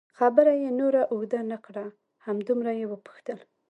خبره یې نوره اوږده نه کړه، همدومره یې وپوښتل.